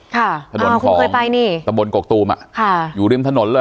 ค่ะถนนเคยไปนี่ตะบนกกตูมอ่ะค่ะอยู่ริมถนนเลย